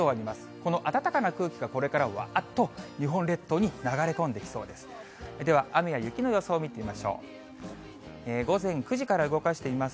この暖かな空気がこれからわーっと日本列島に流れ込んできそうです。